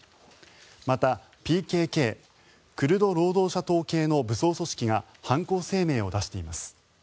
また、ＰＫＫ・クルド労働者党系の武装組織が犯行声明を出しています。